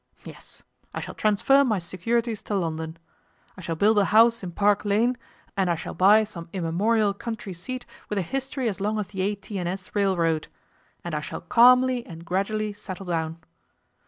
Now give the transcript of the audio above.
Yes, I shall transfer my securities to London. I shall build a house in Park Lane, and I shall buy some immemorial country seat with a history as long as the A. T. and S. railroad, and I shall calmly and gradually settle down.